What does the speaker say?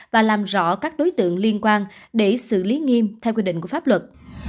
và làm rõ các đối tượng liên quan để xử lý nghiêm theo quy định của pháp luật